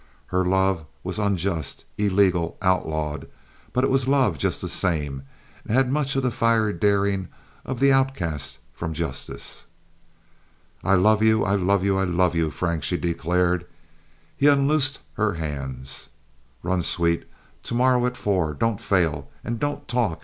Her love was unjust, illegal, outlawed; but it was love, just the same, and had much of the fiery daring of the outcast from justice. "I love you! I love you! I love you, Frank!" she declared. He unloosed her hands. "Run, sweet. To morrow at four. Don't fail. And don't talk.